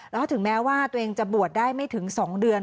แล้วก็ถึงแม้ว่าตัวเองจะบวชได้ไม่ถึง๒เดือน